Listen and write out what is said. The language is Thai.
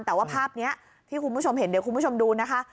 แต่ว่าภาพนี้ที่คุณผู้ชมเห็นเดี๋ยวคุณผู้ชมดูนะคะ